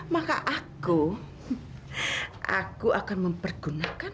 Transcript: maka aku aku akan mempergunakan